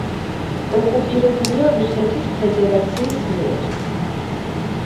ოკუპირებულია რუსეთის ფედერაციის მიერ.